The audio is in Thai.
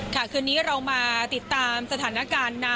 ค่ะคืนนี้เรามาติดตามสถานการณ์